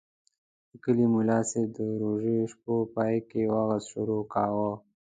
د کلي ملاصاحب د روژې شپو پای کې وعظ شروع کاوه.